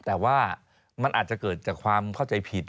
แต่ว่ามันอาจจะเกิดจากความเข้าใจผิด